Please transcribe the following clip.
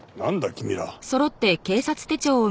君ら。